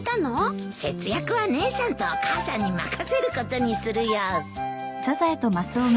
節約は姉さんとお母さんに任せることにするよ。